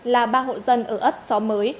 là ba hộ dân ở ấp só mới